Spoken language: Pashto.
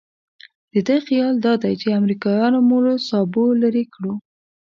د ده خیال دادی چې امریکایانو مو له سابو لرې کړو.